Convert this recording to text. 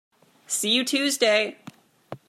See you Tuesday!